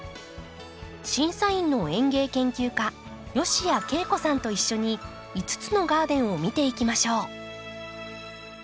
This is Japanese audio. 審査員の園芸研究家吉谷桂子さんと一緒に５つのガーデンを見ていきましょう。